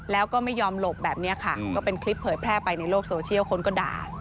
แล้วก็ไม่ยอมหลบแบบนี้ค่ะก็เป็นคลิปเผยแพร่ไปในโลกโซเชียลคนก็ด่า